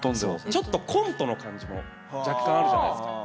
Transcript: ちょっとコントの感じも若干あるじゃないですか。